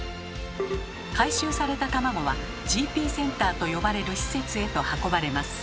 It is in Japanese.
回収された卵は「ＧＰセンター」と呼ばれる施設へと運ばれます。